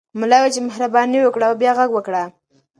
ملا وویل چې مهرباني وکړه او بیا غږ وکړه.